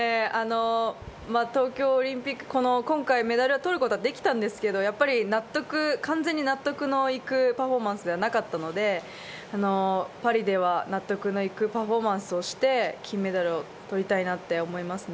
東京オリンピック、今回メダルを取ることはできたんですが、完全に納得のいくパフォーマンスではなかったので、パリでは納得のいくパフォーマンスをして金メダルを取りたいなっ